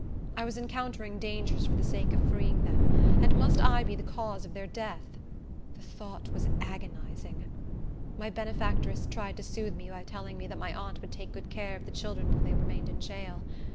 I was encountering dangers for the sake of freeing them, and must I be the cause of their death? The thought was agonizing. My benefactress tried to soothe me by telling me that my aunt would take good care of the children while they remained in jail.